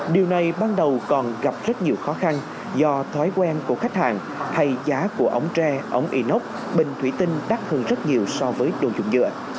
điều này ban đầu còn gặp rất nhiều khó khăn do thói quen của khách hàng hay giá của ống tre ống inox bình thủy tinh đắt hơn rất nhiều so với đồ dùng dựa